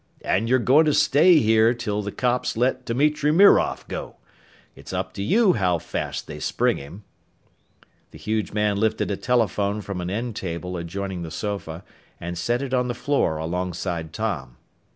And you're goin' to stay here until the cops let Dimitri Mirov go. It's up to you how fast they spring him." The huge man lifted a telephone from an end table adjoining the sofa and set it on the floor alongside Tom.